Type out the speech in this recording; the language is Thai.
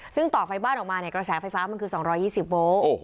ซึ่งต่อไฟบ้านออกมาเนี่ยกระแสไฟฟ้ามันคือ๒๒๐โวลต์